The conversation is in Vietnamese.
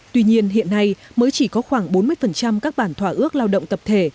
tuy nhiên hiện nay mới chỉ có khoảng bốn mươi các bản thỏa ước lao động tập thể